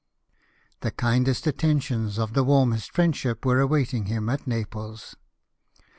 The kindest attentions of the warmest friendship were awaiting him at Naples.